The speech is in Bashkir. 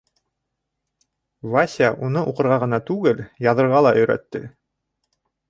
Вася уны уҡырға ғына түгел, яҙырға ла өйрәтте.